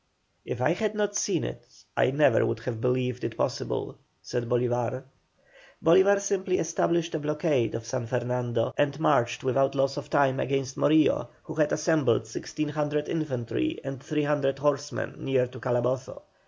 "If I had not seen it, I never would have believed it possible!" said Bolívar. Bolívar simply established a blockade of San Fernando, and marched without loss of time against Morillo, who had assembled 1,600 infantry and 300 horsemen near to Calabozo.